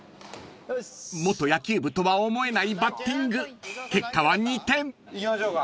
［元野球部とは思えないバッティング結果は２点］いきましょうか。